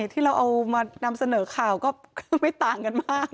ที่เราเอามานำเสนอข่าวก็ไม่ต่างกันมาก